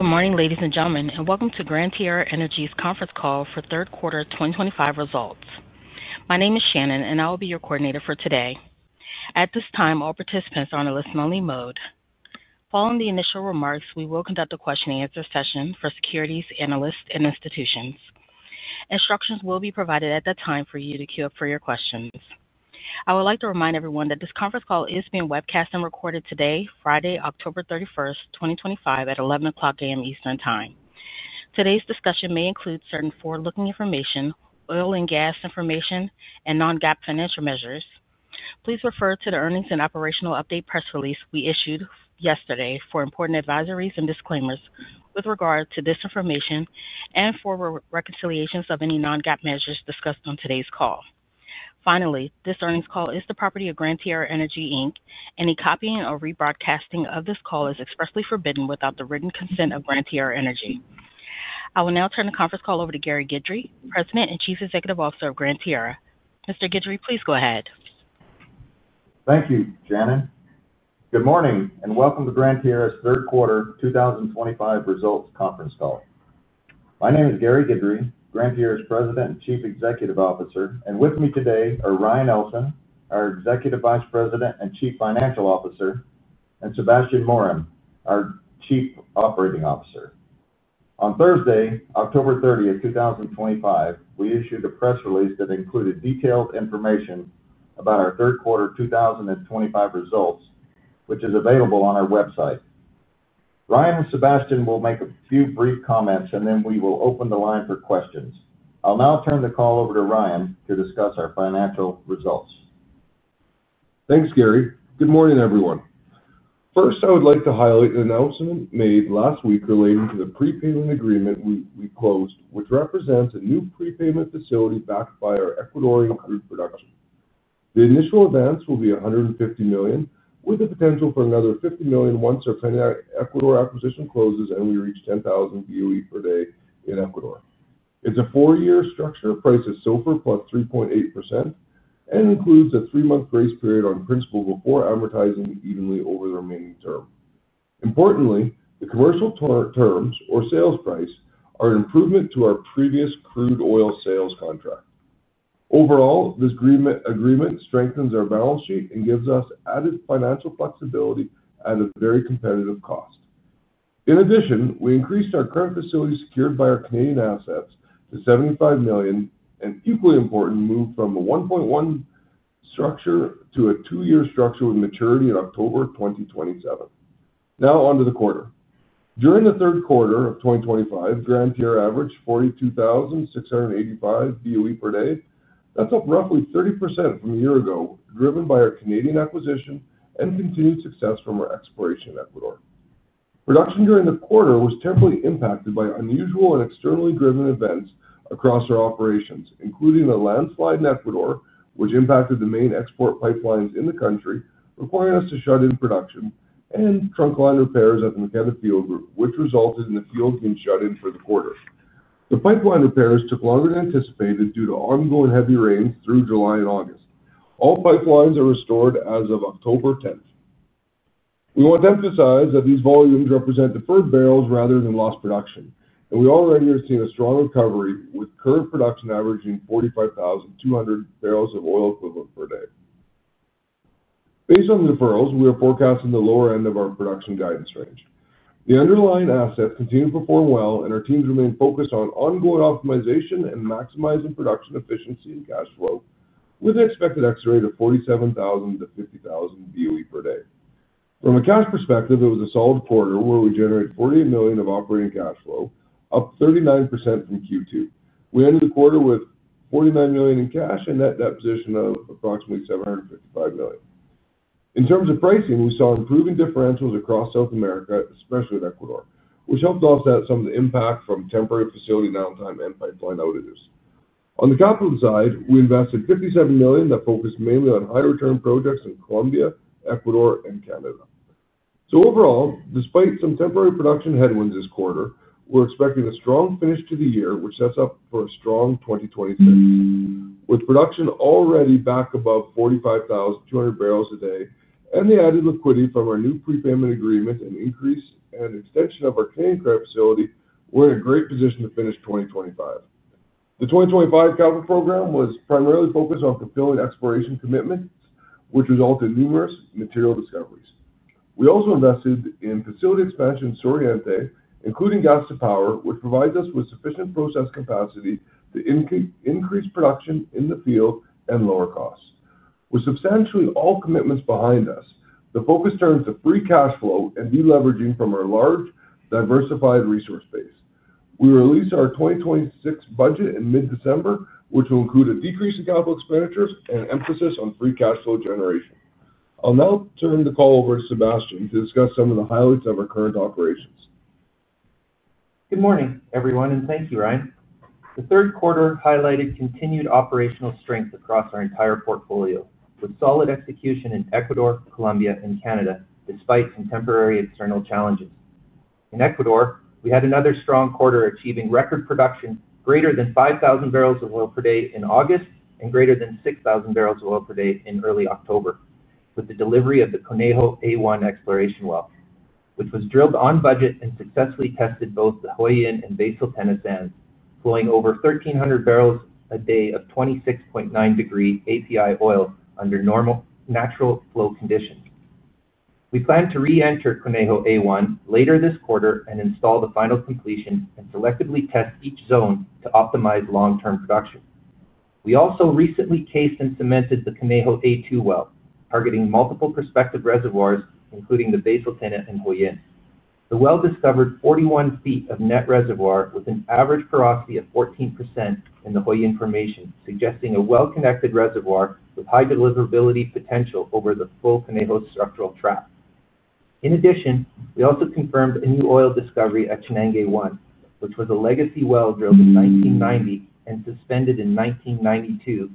Good morning, ladies and gentlemen, and welcome to Gran Tierra Energy's Conference Call for Third Quarter 2025 Results. My name is Shannon, and I will be your coordinator for today. At this time, all participants are in a listen-only mode. Following the initial remarks, we will conduct a question-and-answer session for securities analysts and institutions. Instructions will be provided at that time for you to queue up for your questions. I would like to remind everyone that this conference call is being webcast and recorded today, Friday, October 31st, 2025, at 11:00 A.M. Eastern Time. Today's discussion may include certain forward-looking information, oil and gas information, and non-GAAP financial measures. Please refer to the earnings and operational update press release we issued yesterday for important advisories and disclaimers with regard to this information and forward reconciliations of any non-GAAP measures discussed on today's call. Finally, this earnings call is the property of Gran Tierra Energy, Inc., and the copying or rebroadcasting of this call is expressly forbidden without the written consent of Gran Tierra Energy. I will now turn the conference call over to Gary Guidry, President and Chief Executive Officer of Gran Tierra Energy. Mr. Guidry, please go ahead. Thank you, Shannon. Good morning and welcome to Gran Tierra Energy's Third Quarter 2025 Results Conference Call. My name is Gary Guidry, Gran Tierra Energy's President and Chief Executive Officer, and with me today are Ryan Ellson, our Executive Vice President and Chief Financial Officer, and Sebastien Morin, our Chief Operating Officer. On Thursday, October 30th, 2025, we issued a press release that included detailed information about our third quarter 2025 results, which is available on our website. Ryan and Sebastien will make a few brief comments, and then we will open the line for questions. I'll now turn the call over to Ryan to discuss our financial results. Thanks, Gary. Good morning, everyone. First, I would like to highlight an announcement made last week relating to the prepayment agreement we closed, which represents a new prepayment facility backed by our Ecuadorian crude production. The initial advance will be $150 million, with the potential for another $50 million once our Ecuador acquisition closes and we reach 10,000 BOE per day in Ecuador. It's a four-year structure, priced at SOFR +3.8%, and includes a three-month grace period on principal before amortizing evenly over the remaining term. Importantly, the commercial terms, or sales price, are an improvement to our previous crude oil sales contract. Overall, this agreement strengthens our balance sheet and gives us added financial flexibility at a very competitive cost. In addition, we increased our current facility secured by our Canadian assets to $75 million, an equally important move from a 1.1 structure to a two-year structure with maturity in October 2027. Now, on to the quarter. During the third quarter of 2025, Gran Tierra Energy averaged 42,685 BOE per day. That's up roughly 30% from a year ago, driven by our Canadian acquisition and continued success from our exploration in Ecuador. Production during the quarter was temporarily impacted by unusual and externally driven events across our operations, including a landslide in Ecuador, which impacted the main export pipelines in the country, requiring us to shut in production, and trunk line repairs at the Makeda Fuel Group, which resulted in the field being shut in for the quarter. The pipeline repairs took longer than anticipated due to ongoing heavy rains through July and August. All pipelines are restored as of October 10th. We want to emphasize that these volumes represent deferred barrels rather than lost production, and we are ready to see a strong recovery with current production averaging 45,200 BOE per day. Based on the deferrals, we are forecasting the lower end of our production guidance range. The underlying assets continue to perform well, and our teams remain focused on ongoing optimization and maximizing production efficiency and cash flow, with an expected exit rate to 47,000 BOE to 50,000 BOE per day. From a cash perspective, it was a solid quarter where we generated $48 million of operating cash flow, up 39% from Q2. We ended the quarter with $49 million in cash and net debt position of approximately $755 million. In terms of pricing, we saw improving differentials across South America, especially in Ecuador, which helped offset some of the impact from temporary facility downtime and pipeline outages. On the capital side, we invested $57 million that focused mainly on high-return projects in Colombia, Ecuador, and Canada. Overall, despite some temporary production headwinds this quarter, we're expecting a strong finish to the year, which sets us up for a strong 2026, with production already back above 45,200 barrels a day and the added liquidity from our new prepayment facility and increase and extension of our Canadian asset-backed facility. We're in a great position to finish 2025. The 2025 capital program was primarily focused on fulfilling exploration commitments, which resulted in numerous material discoveries. We also invested in facility expansion in Suroriente, including gas to power, which provides us with sufficient process capacity to increase production in the field and lower costs. With substantially all commitments behind us, the focus turns to free cash flow and deleveraging from our large, diversified resource base. We release our 2026 budget in mid-December, which will include a decrease in capital expenditures and an emphasis on free cash flow generation. I'll now turn the call over to Sebastien to discuss some of the highlights of our current operations. Good morning, everyone, and thank you, Ryan. The third quarter highlighted continued operational strength across our entire portfolio, with solid execution in Ecuador, Colombia, and Canada despite contemporary external challenges. In Ecuador, we had another strong quarter, achieving record production: greater than 5,000 barrels of oil per day in August and greater than 6,000 barrels of oil per day in early October, with the delivery of the Conejo A-1 exploration well, which was drilled on budget and successfully tested both the Hollin and Basal Tena sands, flowing over 1,300 barrels a day of 26.9 degree API oil under normal natural flow conditions. We plan to re-enter Conejo A-1 later this quarter and install the final completion and selectively test each zone to optimize long-term production. We also recently cased and cemented the Conejo A-2 well, targeting multiple prospective reservoirs, including the Basal Tena and Hollin. The well discovered 41 feet of net reservoir with an average porosity of 14% in the Hollin formation, suggesting a well-connected reservoir with high deliverability potential over the full Conejo structural trap. In addition, we also confirmed a new oil discovery at Chanangue-1, which was a legacy well drilled in 1990 and suspended in 1992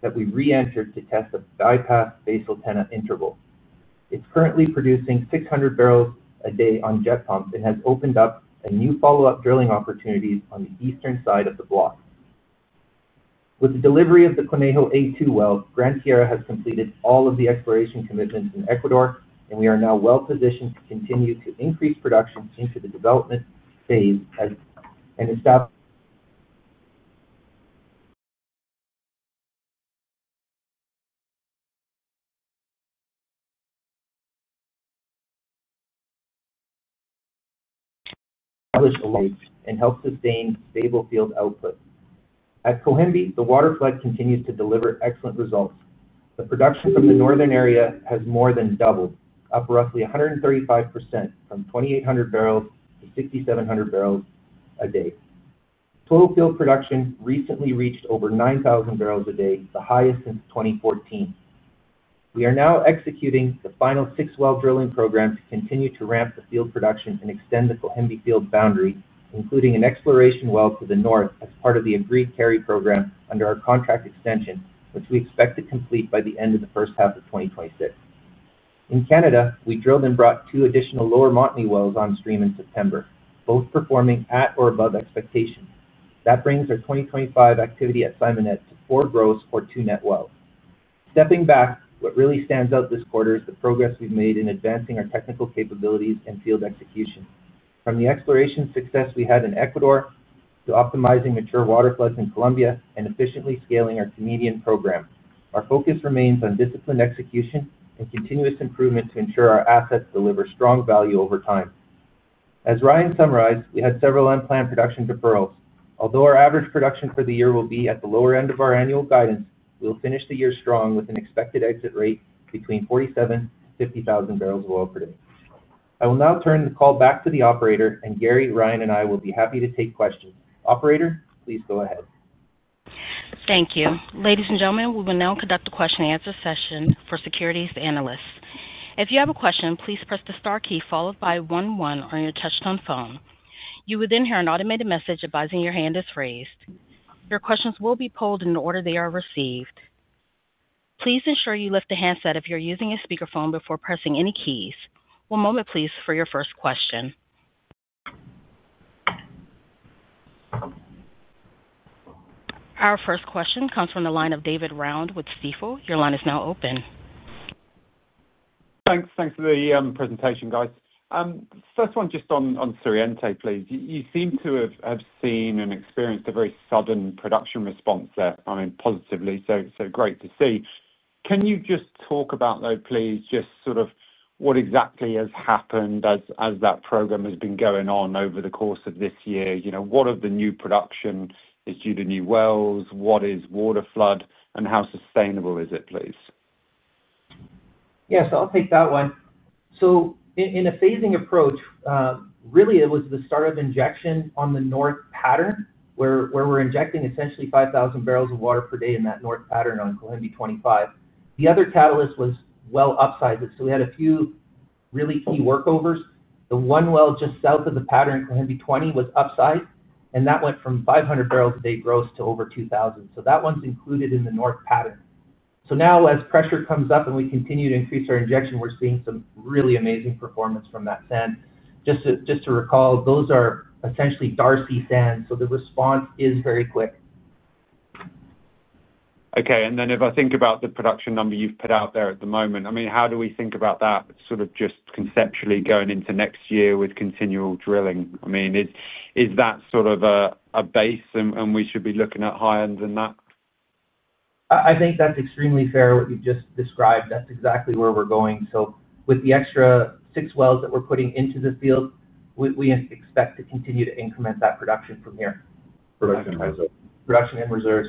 that we re-entered to test the bypassed Basal Tena interval. It's currently producing 600 barrels a day on jet pumps and has opened up new follow-up drilling opportunities on the eastern side of the block. With the delivery of the Conejo A-2 well, Gran Tierra Energy has completed all of the exploration commitments in Ecuador, and we are now well-positioned to continue to increase production into the development phase and help sustain stable field output. At Cohembi, the waterflood program continues to deliver excellent results. The production from the northern area has more than doubled, up roughly 135% from 2,800 barrels to 6,700 barrels a day. Total field production recently reached over 9,000 barrels a day, the highest since 2014. We are now executing the final six-well drilling program to continue to ramp the field production and extend the Cohembi field boundary, including an exploration well to the north as part of the agreed carry program under our contract extension, which we expect to complete by the end of the first half of 2026. In Canada, we drilled and brought two additional Lower Montney wells on stream in September, both performing at or above expectations. That brings our 2025 activity at Simonett to 4.0 gross or 2.0 net wells. Stepping back, what really stands out this quarter is the progress we've made in advancing our technical capabilities and field execution. From the exploration success we had in Ecuador to optimizing mature waterfloods in Colombia and efficiently scaling our Canadian program, our focus remains on disciplined execution and continuous improvement to ensure our assets deliver strong value over time. As Ryan summarized, we had several unplanned production deferrals. Although our average production for the year will be at the lower end of our annual guidance, we'll finish the year strong with an expected exit rate between 47,000 to 50,000 barrels of oil per day. I will now turn the call back to the operator, and Gary, Ryan, and I will be happy to take questions. Operator, please go ahead. Thank you. Ladies and gentlemen, we will now conduct a question-and-answer session for securities analysts. If you have a question, please press the star key followed by one, one on your touch-tone phone. You will then hear an automated message advising your hand is raised. Your questions will be polled in the order they are received. Please ensure you lift the handset if you're using a speakerphone before pressing any keys. One moment, please, for your first question. Our first question comes from the line of David Round with Stifel. Your line is now open. Thanks for the presentation, guys. First one, just on Suroriente, please. You seem to have seen and experienced a very sudden production response there, I mean, positively. Great to see. Can you just talk about, though, please, just sort of what exactly has happened as that program has been going on over the course of this year? What are the new production? Is it due to new wells? What is waterflood? How sustainable is it, please? Yes, I'll take that one. In a phasing approach, really, it was the start of injection on the north pattern where we're injecting essentially 5,000 barrels of water per day in that north pattern on Cohembi-25. The other catalyst was well upsized, so we had a few really key workovers. The one well just south of the pattern, Cohembi-20, was upsized, and that went from 500 barrels a day gross to over 2,000. That one's included in the North pattern. Now, as pressure comes up and we continue to increase our injection, we're seeing some really amazing performance from that sand. Just to recall, those are essentially Darcy sands, so the response is very quick. Okay. If I think about the production number you've put out there at the moment, how do we think about that just conceptually going into next year with continual drilling? Is that sort of a base, and we should be looking at higher than that? I think that's extremely fair, what you've just described. That's exactly where we're going. With the extra six wells that we're putting into the field, we expect to continue to increment that production from here. Production and reserves. Production and reserves.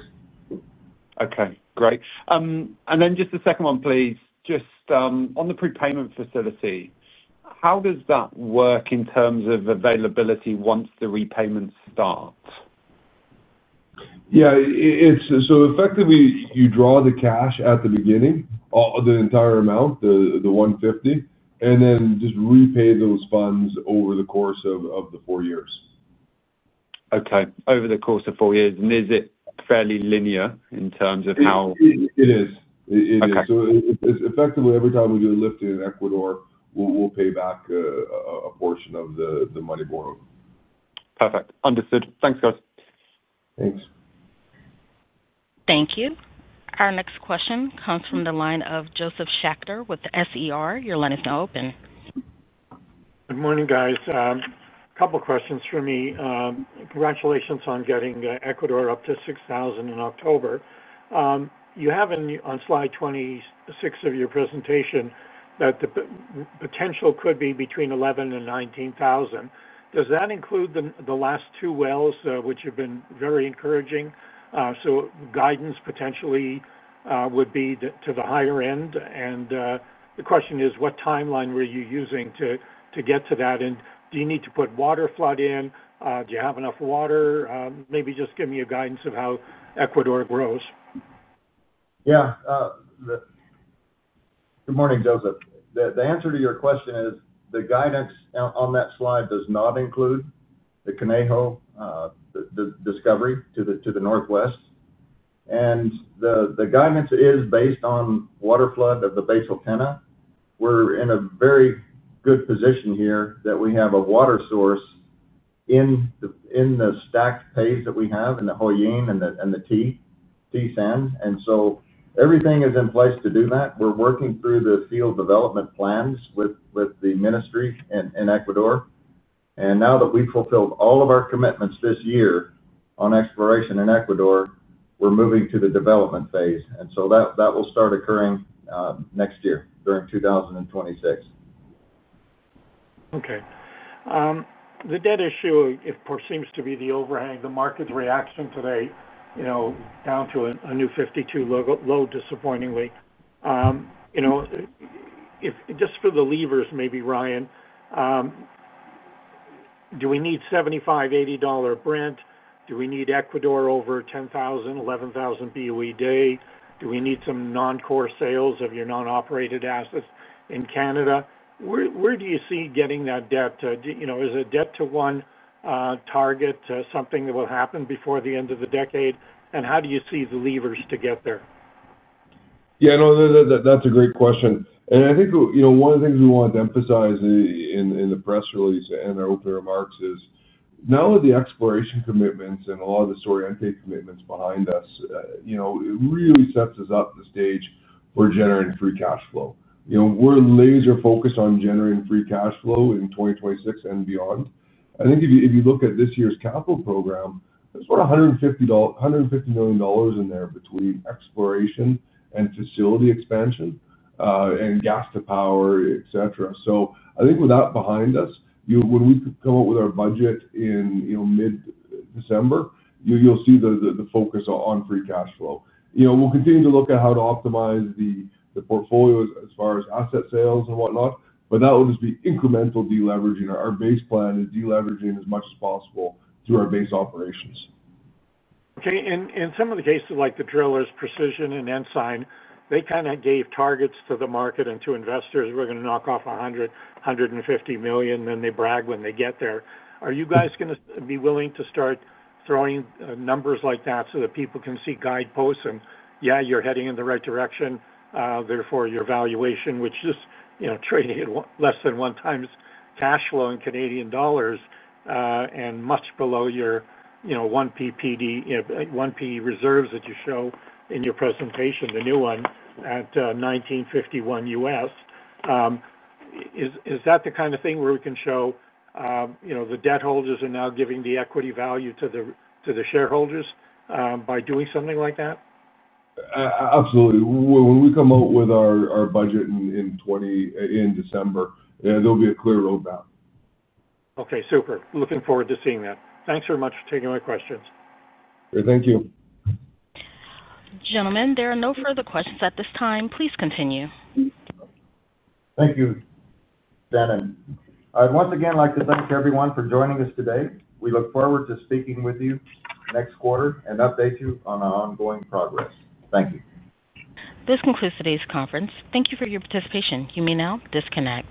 Okay. Great. Just the second one, please. Just on the prepayment facility, how does that work in terms of availability once the repayments start? Effectively, you draw the cash at the beginning, the entire amount, the $150 million, and then just repay those funds over the course of the four years. Okay, over the course of four years, is it fairly linear in terms of how? It is. It is. Effectively, every time we do a lift in Ecuador, we'll pay back a portion of the money borrowed. Perfect. Understood. Thanks, guys. Thanks. Thank you. Our next question comes from the line of Josef Schachter with SER. Your line is now open. Good morning, guys. A couple of questions for me. Congratulations on getting Ecuador up to 6,000 in October. You have on slide 26 of your presentation that the potential could be between 11,000 and 19,000. Does that include the last two wells, which have been very encouraging? Guidance potentially would be to the higher end. The question is, what timeline were you using to get to that? Do you need to put waterflood in? Do you have enough water? Maybe just give me a guidance of how Ecuador grows. Yeah. Good morning, Josef. The answer to your question is the guidance on that slide does not include the Conejo discovery to the northwest. The guidance is based on waterflood of the Basal Tena. We're in a very good position here that we have a water source in the stacked pays that we have in the Hollin and the T, T Sand, and everything is in place to do that. We're working through the field development plans with the ministry in Ecuador. Now that we've fulfilled all of our commitments this year on exploration in Ecuador, we're moving to the development phase. That will start occurring next year during 2026. Okay. The debt issue, it seems to be the overhang. The market's reaction today, down to a new 52 low disappointingly. Just for the levers, maybe, Ryan. Do we need $75, $80 Brent? Do we need Ecuador over 10,000, 11,000 BOE a day? Do we need some non-core sales of your non-operated assets in Canada? Where do you see getting that debt? Is a debt-to-one target something that will happen before the end of the decade? How do you see the levers to get there? Yeah. No, that's a great question. I think one of the things we wanted to emphasize in the press release and our open remarks is now that the exploration commitments and a lot of the Suroriente commitments are behind us. It really sets us up the stage for generating free cash flow. We're laser-focused on generating free cash flow in 2026 and beyond. I think if you look at this year's capital program, there's about $150 million in there between exploration and facility expansion and gas to power, et cetera. I think with that behind us, when we come up with our budget in mid-December, you'll see the focus on free cash flow. We'll continue to look at how to optimize the portfolios as far as asset sales and whatnot, but that will just be incremental deleveraging. Our base plan is deleveraging as much as possible through our base operations. Okay. In some of the cases like the drillers, Precision and Ensign, they kind of gave targets to the market and to investors, "We're going to knock off $100 million, $150 million," and then they brag when they get there. Are you guys going to be willing to start throwing numbers like that so that people can see guideposts and, "Yeah, you're heading in the right direction. Therefore, your valuation," which is trading at less than 1x cash flow in Canadian dollars and much below your 1PPD, 1P reserves that you show in your presentation, the new one at $19.51. Is that the kind of thing where we can show. The debt holders are now giving the equity value to the shareholders by doing something like that? Absolutely. When we come out with our budget in December, there'll be a clear roadmap. Okay. Super. Looking forward to seeing that. Thanks very much for taking my questions. Great. Thank you. Gentlemen, there are no further questions at this time. Please continue. Thank you, Dana. I'd once again like to thank everyone for joining us today. We look forward to speaking with you next quarter and updating you on our ongoing progress. Thank you. This concludes today's conference. Thank you for your participation. You may now disconnect.